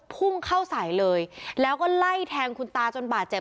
พุ่งเข้าใส่เลยแล้วก็ไล่แทงคุณตาจนบาดเจ็บ